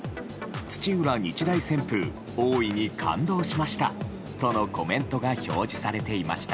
日大旋風大いに感動しました、とのコメントが表示されていました。